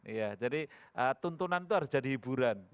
iya jadi tuntunan itu harus jadi hiburan